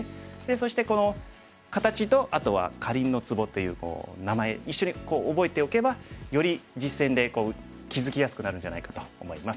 そしてこの形とあとは「かりんのツボ」という名前一緒に覚えておけばより実戦で気付きやすくなるんじゃないかと思います。